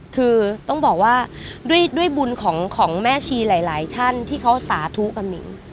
คือต้องบอกว่าด้วยบุญของแม่ชีหลายท่านที่เขาสาธุกับหนิง